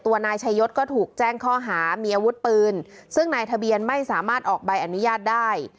นายชายศก็ถูกแจ้งข้อหามีอาวุธปืนซึ่งนายทะเบียนไม่สามารถออกใบอนุญาตได้